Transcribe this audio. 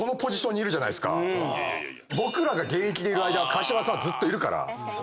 僕らが現役でいる間は川島さんはずっといるから。